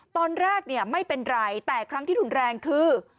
ตอนแรกเนี่ยไม่เป็นไรแต่ครั้งที่รุนแรงคือ